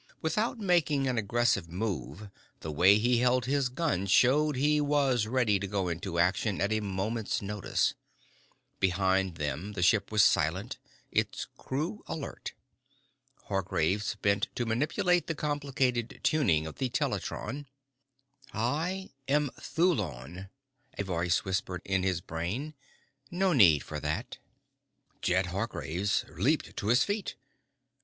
Without making an aggressive move, the way he held his gun showed he was ready to go into action at a moment's notice. Behind them, the ship was silent, its crew alert. Hargraves bent to manipulate the complicated tuning of the teletron. "I am Thulon," a voice whispered in his brain. "No need for that." Jed Hargraves' leaped to his feet.